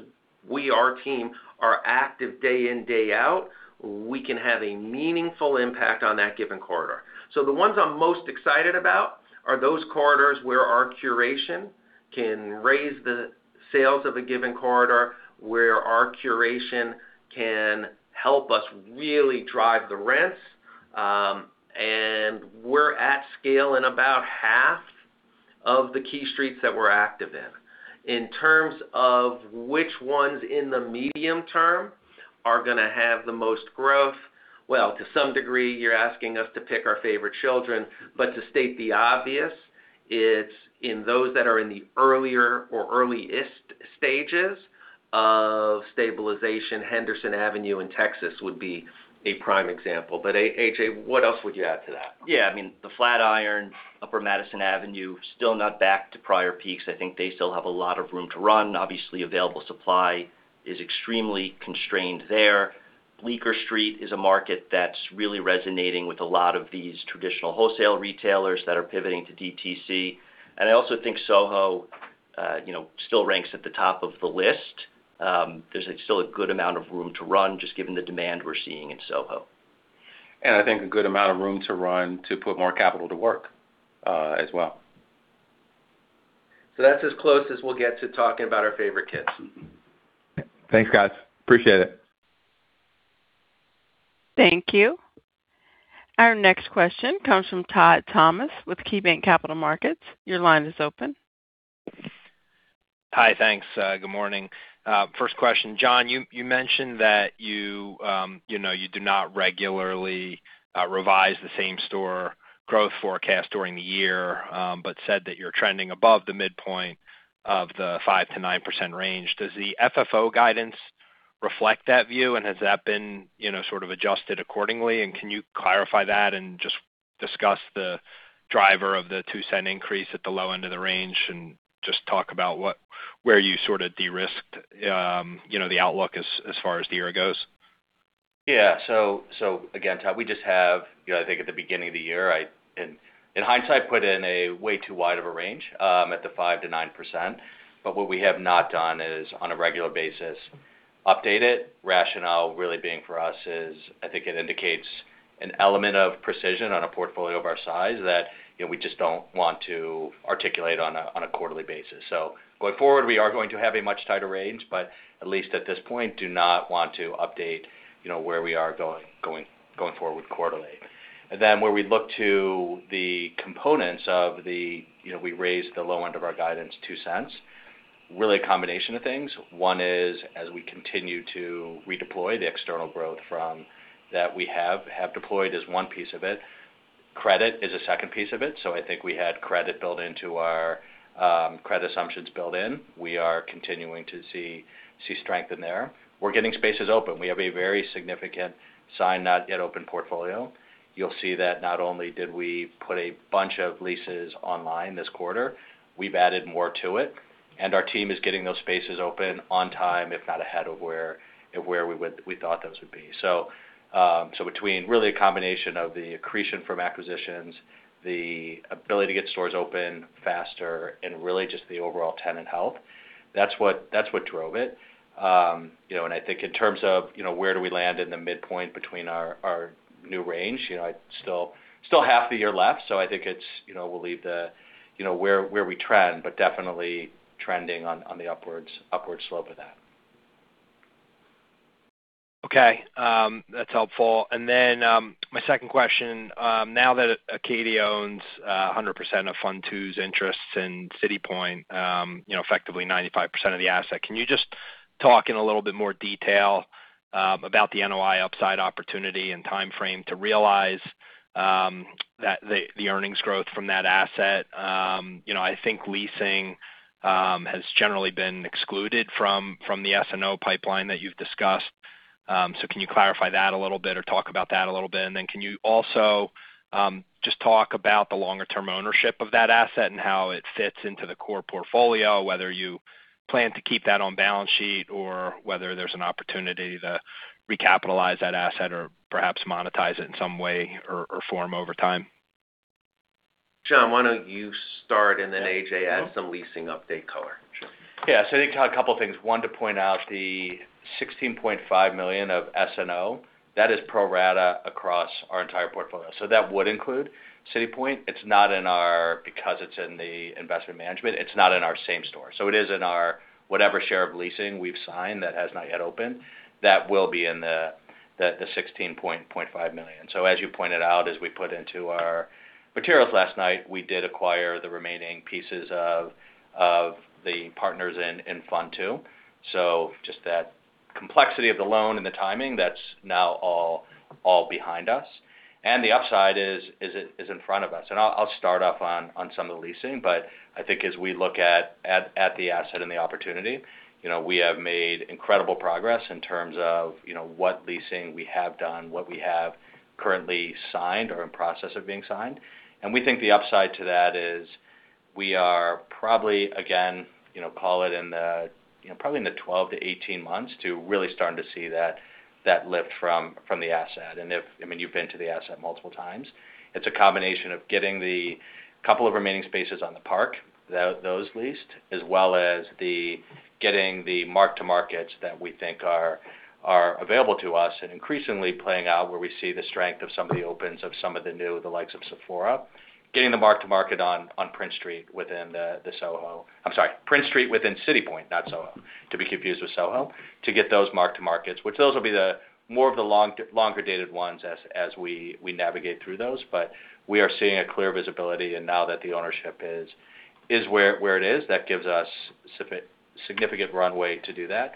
our team are active day in, day out, we can have a meaningful impact on that given corridor. The ones I'm most excited about are those corridors where our curation can raise the sales of a given corridor, where our curation can help us really drive the rents. We're at scale in about half of the key streets that we're active in. In terms of which ones in the medium term are going to have the most growth, well, to some degree, you're asking us to pick our favorite children, to state the obvious, it's in those that are in the earlier or earliest stages of stabilization. Henderson Avenue in Texas would be a prime example. A.J., what else would you add to that? Yeah. The Flatiron, Upper Madison Avenue, still not back to prior peaks. I think they still have a lot of room to run. Obviously, available supply is extremely constrained there. Bleecker Street is a market that's really resonating with a lot of these traditional wholesale retailers that are pivoting to DTC. I also think SoHo still ranks at the top of the list. There's still a good amount of room to run, just given the demand we're seeing in SoHo. I think a good amount of room to run to put more capital to work as well. That's as close as we'll get to talking about our favorite kids. Thanks, guys. Appreciate it. Thank you. Our next question comes from Todd Thomas with KeyBanc Capital Markets. Your line is open. Hi, thanks. Good morning. First question, John, you mentioned that you do not regularly revise the same store growth forecast during the year, but said that you're trending above the midpoint of the 5%-9% range. Does the FFO guidance reflect that view? Has that been sort of adjusted accordingly? Can you clarify that and just discuss the driver of the $0.02 increase at the low end of the range, and just talk about where you sort of de-risked the outlook as far as the year goes? Yeah. Again, Todd, we just have, I think at the beginning of the year, in hindsight, put in a way too wide of a range at the 5%-9%. What we have not done is on a regular basis update it. Rationale really being for us is, I think it indicates an element of precision on a portfolio of our size that we just don't want to articulate on a quarterly basis. Going forward, we are going to have a much tighter range, but at least at this point, do not want to update where we are going forward quarterly. Where we look to the components of the, we raised the low end of our guidance $0.02, really a combination of things. One is as we continue to redeploy the external growth from that we have deployed is one piece of it. Credit is a second piece of it. I think we had credit assumptions built in. We are continuing to see strength in there. We're getting spaces open. We have a very significant sign, not yet open portfolio. You'll see that not only did we put a bunch of leases online this quarter, we've added more to it, our team is getting those spaces open on time, if not ahead of where we thought those would be. Between really a combination of the accretion from acquisitions, the ability to get stores open faster, and really just the overall tenant health, that's what drove it. I think in terms of where do we land in the midpoint between our new range, still half the year left, I think we'll leave where we trend, but definitely trending on the upward slope of that. My second question. Now that Acadia owns 100% of Fund II's interests in City Point, effectively 95% of the asset, can you just talk in a little bit more detail about the NOI upside opportunity and time frame to realize the earnings growth from that asset? I think leasing has generally been excluded from the S&O pipeline that you've discussed. Can you clarify that a little bit or talk about that a little bit? Can you also just talk about the longer-term ownership of that asset and how it fits into the core portfolio, whether you plan to keep that on balance sheet or whether there's an opportunity to recapitalize that asset or perhaps monetize it in some way or form over time. John, why don't you start, and then A.J. add some leasing update color. Sure. Yeah. I think a couple of things. One, to point out the $16.5 million of S&O, that is pro rata across our entire portfolio. That would include City Point. Because it's in the investment management, it's not in our same store. It is in our whatever share of leasing we've signed that has not yet opened, that will be in the $16.5 million. As you pointed out, as we put into our materials last night, we did acquire the remaining pieces of the partners in Fund II. Just that complexity of the loan and the timing, that's now all behind us. The upside is in front of us. I'll start off on some of the leasing. I think as we look at the asset and the opportunity, we have made incredible progress in terms of what leasing we have done, what we have currently signed or in process of being signed. We think the upside to that is we are probably, again, call it in the probably in the 12 to 18 months to really starting to see that lift from the asset. If, you've been to the asset multiple times. It's a combination of getting the couple of remaining spaces on the park, those leased, as well as the getting the mark-to-markets that we think are available to us and increasingly playing out where we see the strength of some of the opens of some of the new, the likes of Sephora. Getting the mark-to-market on Prince Street within the SoHo. I'm sorry, Prince Street within City Point, not SoHo. To be confused with SoHo. To get those mark-to-markets, which those will be more of the longer-dated ones as we navigate through those. We are seeing a clear visibility, and now that the ownership is where it is, that gives us significant runway to do that.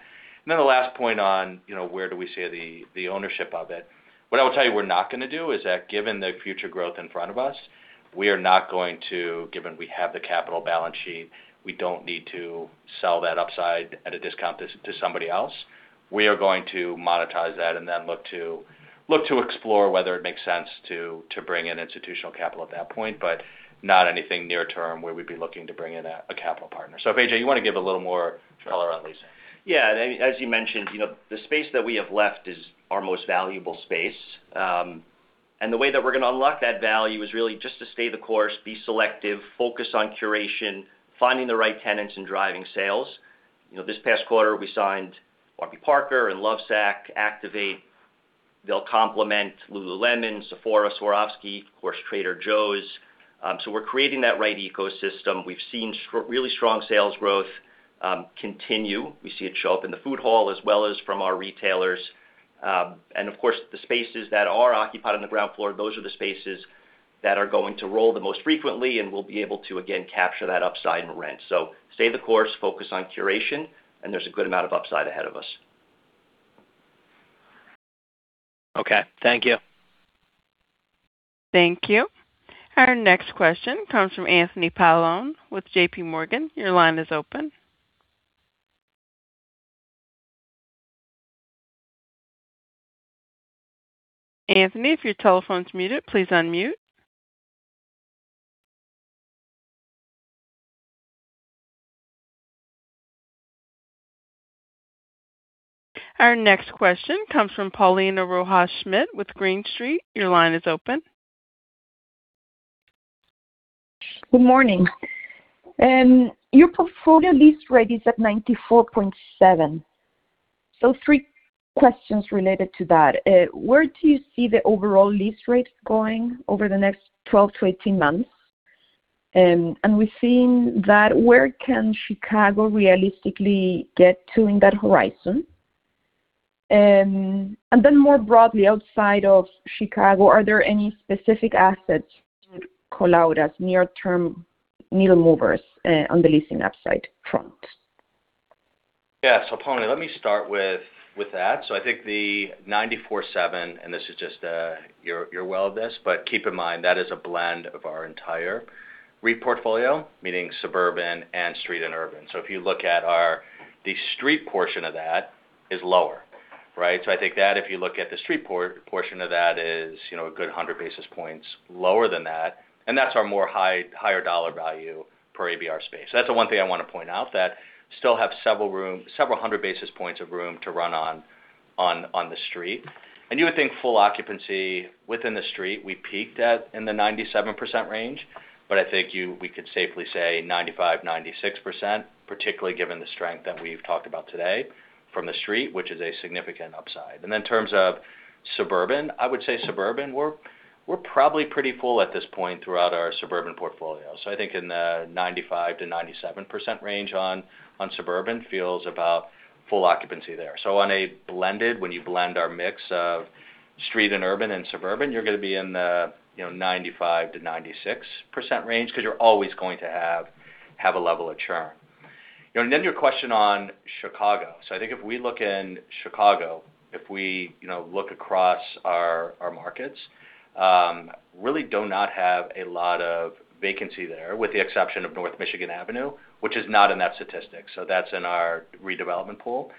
The last point on where do we see the ownership of it. What I will tell you we're not going to do is that given the future growth in front of us, we are not going to, given we have the capital balance sheet, we don't need to sell that upside at a discount to somebody else. We are going to monetize that and then look to explore whether it makes sense to bring in institutional capital at that point, but not anything near term where we'd be looking to bring in a capital partner. If A.J., you want to give a little more color on leasing. Yeah. As you mentioned, the space that we have left is our most valuable space. The way that we're going to unlock that value is really just to stay the course, be selective, focus on curation, finding the right tenants, and driving sales. This past quarter, we signed Warby Parker and Lovesac, Activate. They'll complement Lululemon, Sephora, Swarovski, of course, Trader Joe's. We're creating that right ecosystem. We've seen really strong sales growth continue. We see it show up in the food hall as well as from our retailers. Of course, the spaces that are occupied on the ground floor, those are the spaces that are going to roll the most frequently, and we'll be able to again, capture that upside in rent. Stay the course, focus on curation, and there's a good amount of upside ahead of us. Okay. Thank you. Thank you. Our next question comes from Anthony Paolone with JPMorgan. Your line is open. Anthony, if your telephone's muted, please unmute. Our next question comes from Paulina Rojas Schmidt with Green Street. Your line is open. Good morning. Your portfolio lease rate is at 94.7%. Three questions related to that. Where do you see the overall lease rate going over the next 12 to 18 months? We've seen that where can Chicago realistically get to in that horizon? More broadly, outside of Chicago, are there any specific assets to call out as near term needle movers on the leasing upside front? Paulina, let me start with that. I think the 94.7%, this is just, you're well of this, but keep in mind, that is a blend of our entire REIT portfolio, meaning suburban and street and urban. If you look at our, the street portion of that is lower. Right. I think that if you look at the street portion of that is a good 100 basis points lower than that, and that's our more higher dollar value per ABR space. That's the one thing I want to point out, that still have several hundred basis points of room to run on the street. You would think full occupancy within the street, we peaked at in the 97% range. I think we could safely say 95%, 96%, particularly given the strength that we've talked about today from the street, which is a significant upside. In terms of suburban, I would say suburban, we're probably pretty full at this point throughout our suburban portfolio. I think in the 95% to 97% range on suburban feels about full occupancy there. On a blended, when you blend our mix of street and urban and suburban, you're going to be in the 95% to 96% range because you're always going to have a level of churn. Your question on Chicago. I think if we look in Chicago, if we look across our markets, really do not have a lot of vacancy there, with the exception of North Michigan Avenue, which is not in that statistic. That's in our redevelopment pool.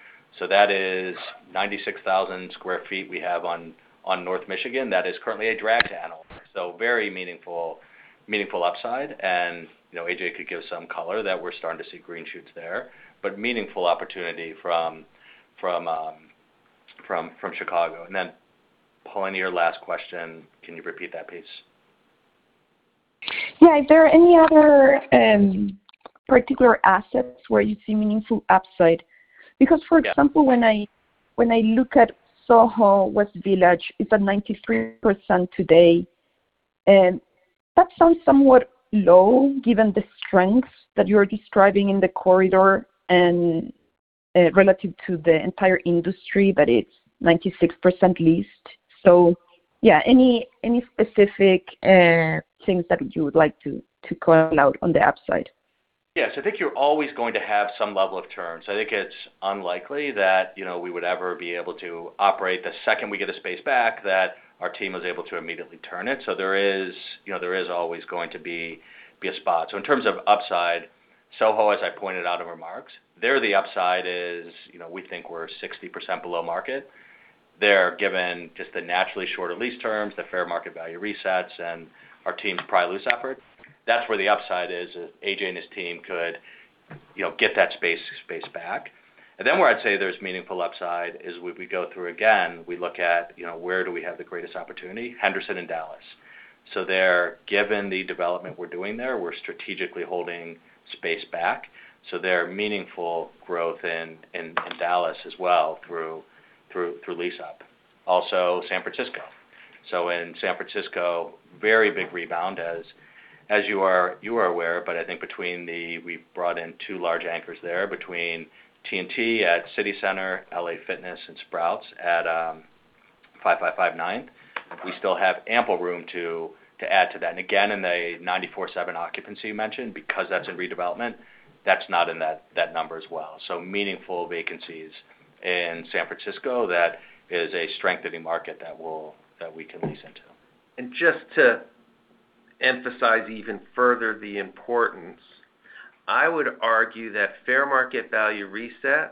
That is 96,000 sq ft we have on North Michigan. That is currently a drag on us. Very meaningful upside. A.J. could give some color that we're starting to see green shoots there, but meaningful opportunity from Chicago. Paulina, your last question, can you repeat that please? Is there any other particular assets where you see meaningful upside? For example, when I look at SoHo, West Village, it's at 93% today. That sounds somewhat low given the strength that you're describing in the corridor and relative to the entire industry, but it's 96% leased. Any specific things that you would like to call out on the upside? Yes, I think you're always going to have some level of churn. I think it's unlikely that we would ever be able to operate the second we get a space back, that our team is able to immediately turn it. There is always going to be a spot. In terms of upside, SoHo, as I pointed out in remarks, there the upside is, we think we're 60% below market there, given just the naturally shorter lease terms, the fair market value resets and our team's prior lease effort. That's where the upside is. A.J. and his team could get that space back. Where I'd say there's meaningful upside is when we go through, again, we look at where do we have the greatest opportunity, Henderson and Dallas. There, given the development we're doing there, we're strategically holding space back. There, meaningful growth in Dallas as well through lease up. Also San Francisco. In San Francisco, very big rebound, as you are aware. I think between the, we've brought in two large anchors there, between T&T at City Center, LA Fitness, and Sprouts at 555 9th. We still have ample room to add to that. Again, in the 94/7 occupancy you mentioned, because that's in redevelopment, that's not in that number as well. Meaningful vacancies in San Francisco, that is a strengthening market that we can lease into. Just to emphasize even further the importance, I would argue that fair market value resets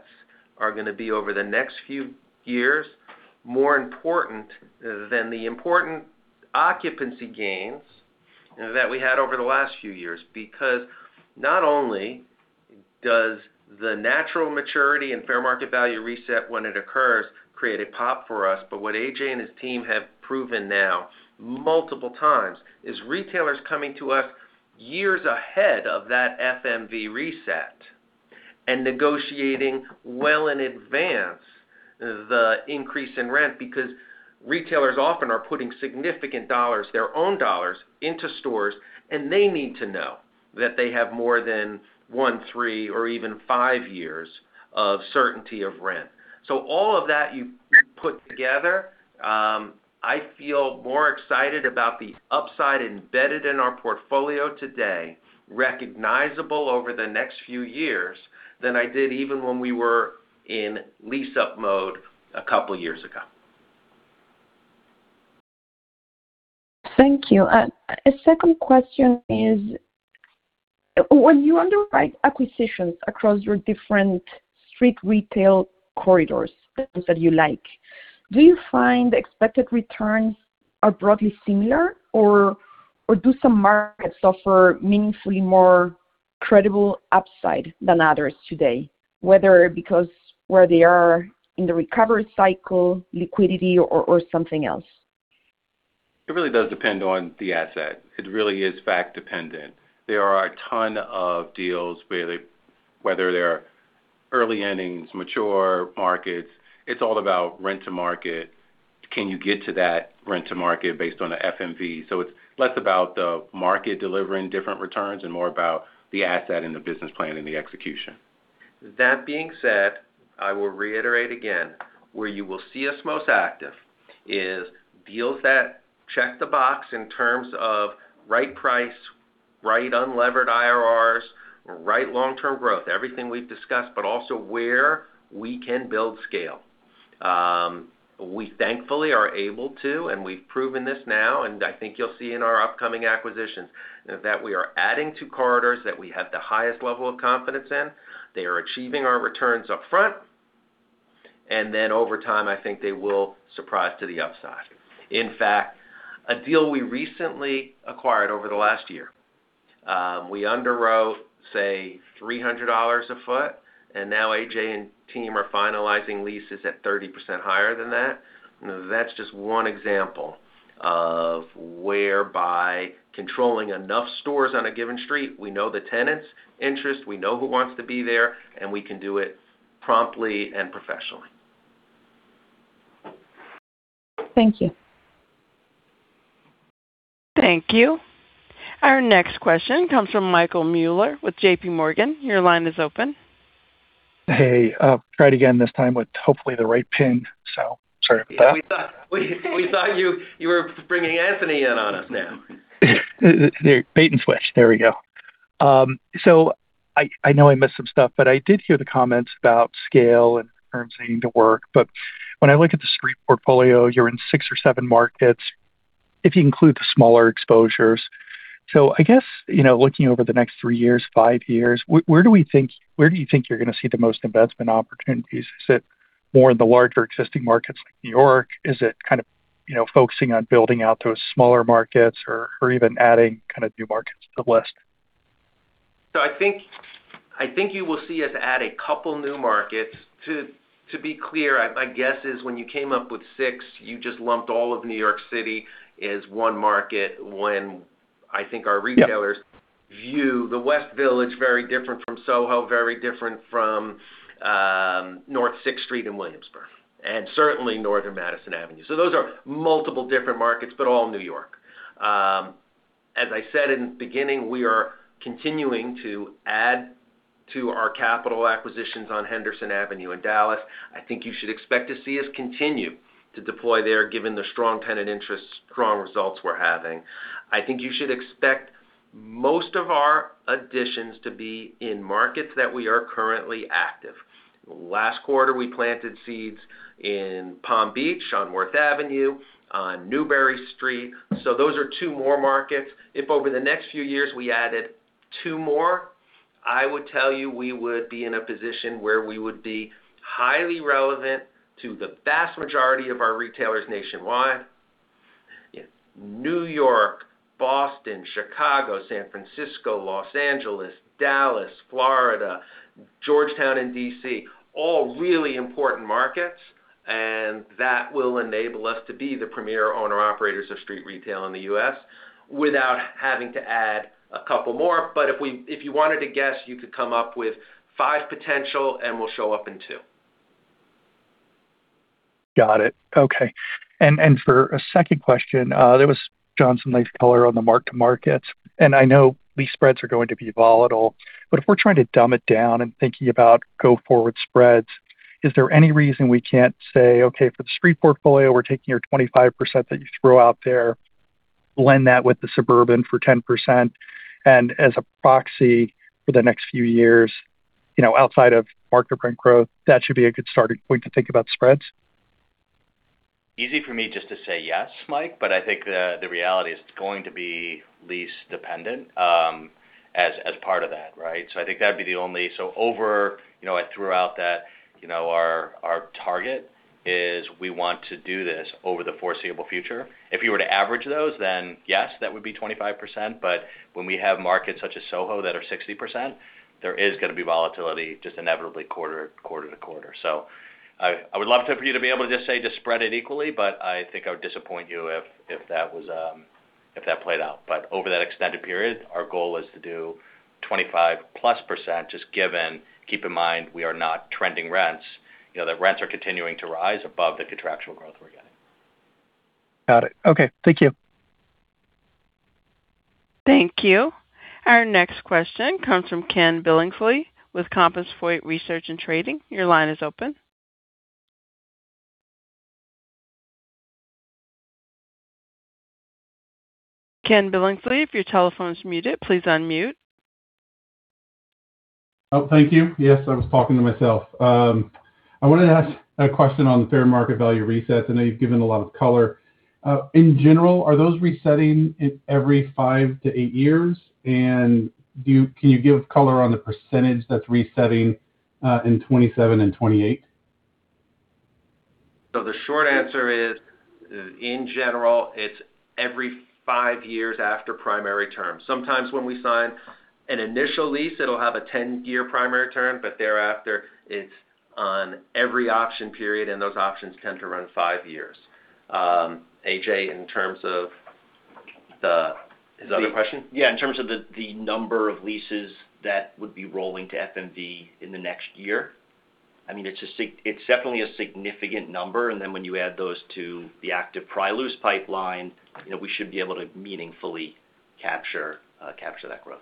are going to be, over the next few years, more important than the important occupancy gains that we had over the last few years. Because not only does the natural maturity and fair market value reset when it occurs, create a pop for us, but what A.J. and his team have proven now multiple times, is retailers coming to us years ahead of that FMV reset and negotiating well in advance the increase in rent. Because retailers often are putting significant dollars, their own dollars, into stores, and they need to know that they have more than one, three or even five years of certainty of rent. All of that you put together, I feel more excited about the upside embedded in our portfolio today, recognizable over the next few years than I did even when we were in lease-up mode a couple of years ago. Thank you. A second question is, when you underwrite acquisitions across your different street retail corridors that you like, do you find the expected returns are broadly similar? Or do some markets offer meaningfully more credible upside than others today, whether because where they are in the recovery cycle, liquidity, or something else? It really does depend on the asset. It really is fact dependent. There are a ton of deals, whether they're early innings, mature markets, it's all about rent to market. Can you get to that rent to market based on the FMV? It's less about the market delivering different returns and more about the asset and the business plan and the execution. That being said, I will reiterate again, where you will see us most active is deals that check the box in terms of right price, right unlevered IRRs, right long-term growth, everything we've discussed, but also where we can build scale. We thankfully are able to, and we've proven this now, and I think you'll see in our upcoming acquisitions, that we are adding to corridors that we have the highest level of confidence in. They are achieving our returns upfront, and then over time, I think they will surprise to the upside. In fact, a deal we recently acquired over the last year, we underwrote, say, $300 a foot, and now A.J. and team are finalizing leases at 30% higher than that. That's just one example of where by controlling enough stores on a given street, we know the tenants' interest, we know who wants to be there, and we can do it promptly and professionally. Thank you. Thank you. Our next question comes from Michael Mueller with JPMorgan. Your line is open. Hey, try it again, this time with hopefully the right pin. Sorry about that. Yeah, we thought you were bringing Anthony in on us now. Bait and switch. There we go. I know I missed some stuff, but I did hear the comments about scale and terms needing to work. When I look at the street portfolio, you're in six or seven markets, if you include the smaller exposures. I guess, looking over the next three years, five years, where do you think you're going to see the most investment opportunities? Is it more in the larger existing markets like New York? Is it kind of focusing on building out those smaller markets or even adding kind of new markets to the list? I think you will see us add a couple of new markets. To be clear, my guess is when you came up with six, you just lumped all of New York City as one market, when I think our retailers view the West Village very different from SoHo, very different from North 6th Street in Williamsburg, and certainly northern Madison Avenue. Those are multiple different markets, but all New York. As I said in the beginning, we are continuing to add to our capital acquisitions on Henderson Avenue in Dallas. I think you should expect to see us continue to deploy there given the strong tenant interest, strong results we're having. I think you should expect most of our additions to be in markets that we are currently active. Last quarter, we planted seeds in Palm Beach on Worth Avenue, on Newbury Street. Those are two more markets. If over the next few years we added two more, I would tell you we would be in a position where we would be highly relevant to the vast majority of our retailers nationwide. New York, Boston, Chicago, San Francisco, Los Angeles, Dallas, Florida, Georgetown in D.C., all really important markets, and that will enable us to be the premier owner-operators of street retail in the U.S. without having to add a couple more. If you wanted to guess, you could come up with five potential, and we'll show up in two. Got it. Okay. For a second question, there was, John, some nice color on the mark-to-market, and I know lease spreads are going to be volatile, but if we're trying to dumb it down and thinking about go-forward spreads, is there any reason we can't say, okay, for the street portfolio, we're taking your 25% that you throw out there, blend that with the suburban for 10%, and as a proxy for the next few years, outside of market rent growth, that should be a good starting point to think about spreads? Easy for me just to say yes, Mike, but I think the reality is it's going to be lease dependent as part of that. Right? I think that'd be the only. Over, I threw out that our target is we want to do this over the foreseeable future. If you were to average those, then yes, that would be 25%, but when we have markets such as SoHo that are 60%, there is going to be volatility just inevitably quarter to quarter. I would love for you to be able to just say just spread it equally, but I think I would disappoint you if that played out. Over that extended period, our goal is to do 25%+, just given, keep in mind, we are not trending rents. The rents are continuing to rise above the contractual growth we're getting. Got it. Okay. Thank you. Thank you. Our next question comes from Ken Billingsley with Compass Point Research & Trading. Your line is open. Ken Billingsley, if your telephone's muted, please unmute. Thank you. Yes, I was talking to myself. I wanted to ask a question on the fair market value resets. I know you've given a lot of color. In general, are those resetting every five to eight years? Can you give color on the percentage that's resetting in 2027 and 2028? The short answer is, in general, it's every five years after primary term. Sometimes when we sign an initial lease, it'll have a 10-year primary term, but thereafter, it's on every option period, and those options tend to run five years. A.J., in terms of the Is that the question? Yeah, in terms of the number of leases that would be rolling to FMV in the next year. I mean, it's definitely a significant number, when you add those to the active pre-lease pipeline, we should be able to meaningfully capture that growth.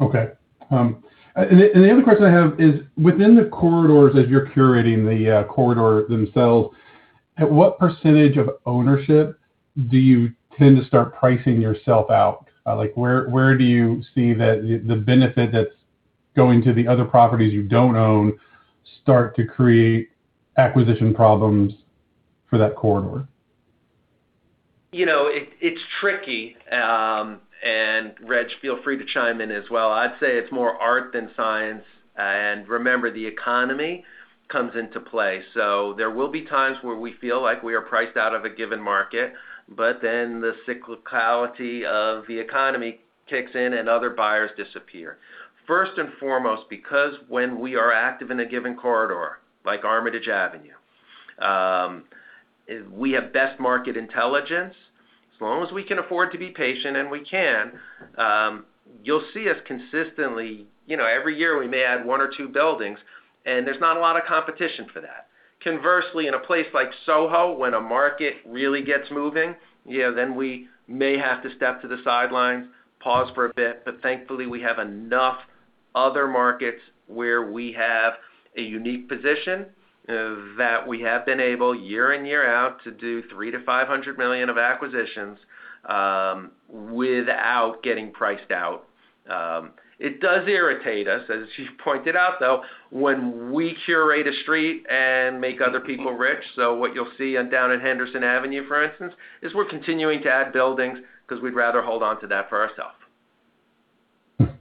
Okay. The other question I have is, within the corridors that you're curating, the corridor themselves, at what percentage of ownership do you tend to start pricing yourself out? Where do you see that the benefit that's going to the other properties you don't own start to create acquisition problems for that corridor? It's tricky. Reg, feel free to chime in as well. I'd say it's more art than science. Remember, the economy comes into play. There will be times where we feel like we are priced out of a given market, the cyclicality of the economy kicks in, and other buyers disappear. First and foremost, because when we are active in a given corridor, like Armitage Avenue, we have best market intelligence. As long as we can afford to be patient, and we can, you'll see us consistently, every year we may add one or two buildings, and there's not a lot of competition for that. Conversely, in a place like SoHo, when a market really gets moving, we may have to step to the sidelines, pause for a bit. Thankfully, we have enough other markets where we have a unique position that we have been able, year in, year out, to do $300 million-$500 million of acquisitions without getting priced out. It does irritate us, as you pointed out, though, when we curate a street and make other people rich. What you'll see down in Henderson Avenue, for instance, is we're continuing to add buildings because we'd rather hold onto that for ourself.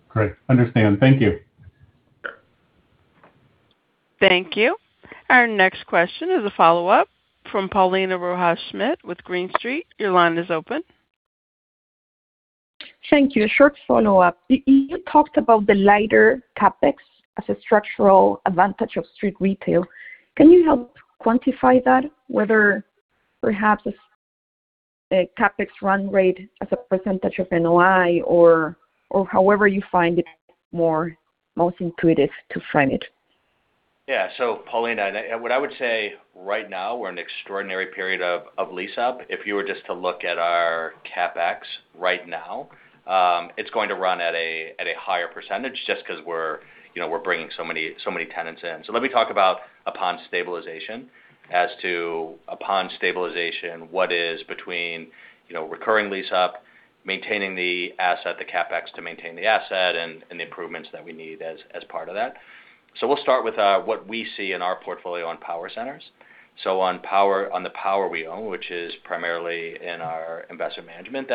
Great. Understand. Thank you. Thank you. Our next question is a follow-up from Paulina Rojas Schmidt with Green Street. Your line is open. Thank you. A short follow-up. You talked about the lighter CapEx as a structural advantage of street retail. Can you help quantify that, whether perhaps a CapEx run rate as a % of NOI or however you find it most intuitive to frame it? Yeah. Paulina, what I would say right now, we're in an extraordinary period of lease-up. If you were just to look at our CapEx right now, it's going to run at a higher percentage just because we're bringing so many tenants in. Let me talk about upon stabilization, as to upon stabilization, what is between recurring lease-up, maintaining the asset, the CapEx to maintain the asset, and the improvements that we need as part of that. We'll start with what we see in our portfolio on power centers. On the power we own, which is primarily in our investment management,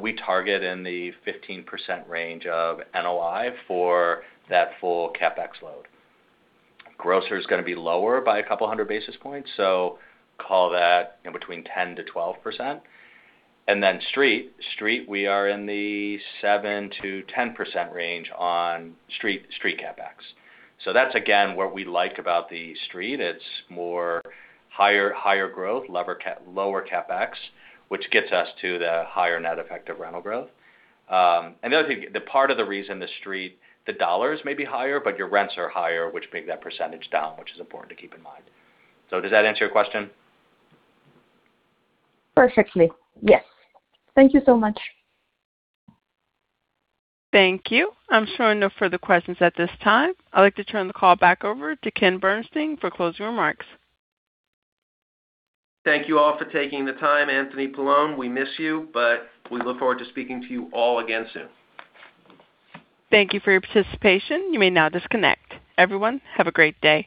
we target in the 15% range of NOI for that full CapEx load. Grocer's going to be lower by a couple of hundred basis points, so call that in between 10%-12%. Street, we are in the 7%-10% range on street CapEx. That's, again, what we like about the street. It's more higher growth, lower CapEx, which gets us to the higher net effect of rental growth. The other thing, part of the reason the street, the dollars may be higher, but your rents are higher, which bring that percentage down, which is important to keep in mind. Does that answer your question? Perfectly. Yes. Thank you so much. Thank you. I'm showing no further questions at this time. I'd like to turn the call back over to Ken Bernstein for closing remarks. Thank you all for taking the time. Anthony Paolone, we miss you, but we look forward to speaking to you all again soon. Thank you for your participation. You may now disconnect. Everyone, have a great day.